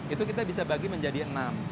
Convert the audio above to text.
itu kita bisa bagi menjadi enam